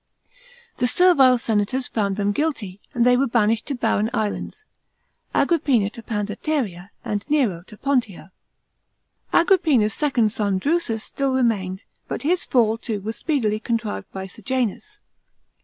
The servile senators found them guilty, and they were banished to barren islands, Agrippina to Pandateria and Nero to Pontia. Agrippina's second son Drusus still remained, but his fall, too, was speedily contrived by Sejanus.